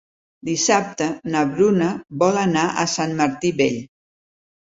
Dissabte na Bruna vol anar a Sant Martí Vell.